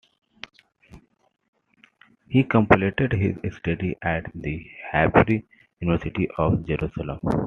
He completed his studies at the Hebrew University of Jerusalem.